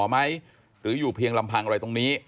เกิดเหตุมีผู้ช่วยหมอไหมหรืออยู่เพียงลำพังอะไรตรงนี้